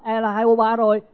ê là hai ô ba rồi